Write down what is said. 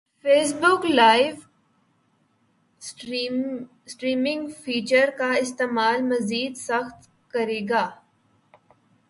face بک live streaming feature کا استعمال مزید سخت کریگا